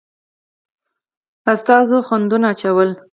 استازو خنډونه اچول.